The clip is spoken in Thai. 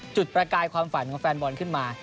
ประกายความฝันของแฟนบอลขึ้นมา